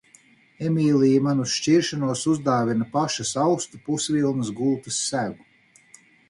Emīlija man uz šķiršanos uzdāvina pašas austu pusvilnas gultas segu.